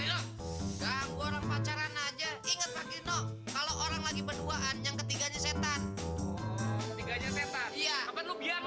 orang orang pacaran aja inget kalau orang lagi berduaan yang ketiganya setan setan iya